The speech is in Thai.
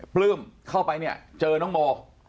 ปลื้มเข้าไปเนี่ยเจอน้องโม